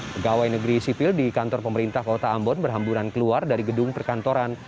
pegawai negeri sipil di kantor pemerintah kota ambon berhamburan keluar dari gedung perkantoran